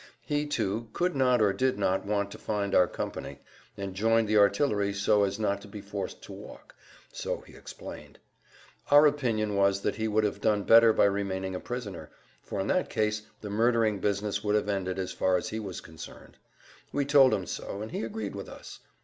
He, too, could not or did not want to find our company, and joined the artillery so as not to be forced to walk, so he explained. Our opinion was that he would have done better by remaining a prisoner, for in that case the murdering business would have ended as far as he was concerned. We told him so, and he agreed with us.